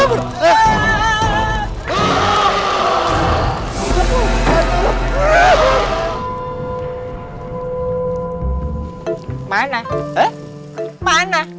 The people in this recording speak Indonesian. ada apaan sih